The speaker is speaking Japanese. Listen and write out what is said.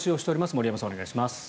森山さん、お願いします。